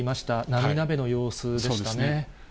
涙目の様子でしたね。